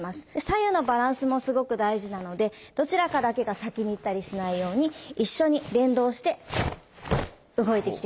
左右のバランスもすごく大事なのでどちらかだけが先に行ったりしないように一緒に連動して動いてきて下さい。